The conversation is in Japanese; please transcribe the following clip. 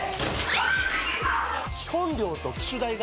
基本料と機種代が